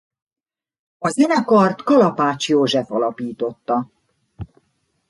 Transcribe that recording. A zenekart Kalapács József alapította.